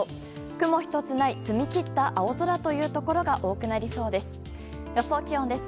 雲一つない澄み切った青空というところが多くなりそうです。